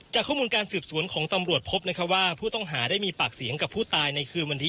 ข้อมูลการสืบสวนของตำรวจพบว่าผู้ต้องหาได้มีปากเสียงกับผู้ตายในคืนวันนี้